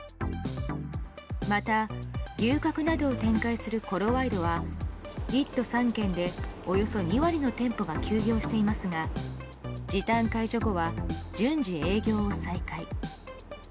また、牛角などを展開するコロワイドは１都３県でおよそ２割の店舗が休業していますが時短解除後は順次、営業を再開。